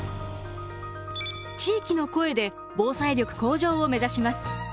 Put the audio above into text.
“地域の声”で防災力向上を目指します。